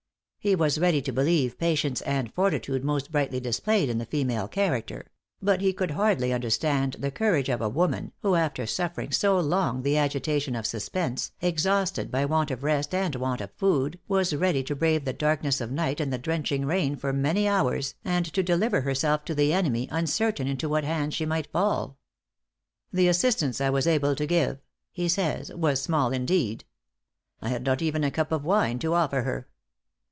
He was ready to believe patience and fortitude most brightly displayed in the female character; but he could hardly understand the courage of a woman, who after suffering so long the agitation of suspense, exhausted by want of rest and want of food, was ready to brave the darkness of night and the drenching rain for many hours, and to deliver herself to the enemy, uncertain into what hands she might fall! "The assistance I was able to give," he says, "was small indeed. I had not even a cup of wine to offer her.